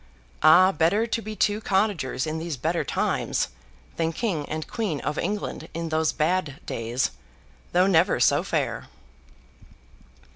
Ah! Better to be two cottagers in these better times, than king and queen of England in those bad days, though never so fair!